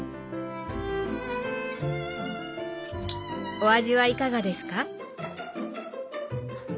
お味はいかがですか？